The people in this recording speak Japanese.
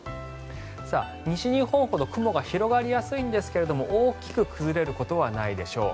西日本ほど雲が広がりやすいんですが大きく崩れることはないでしょう。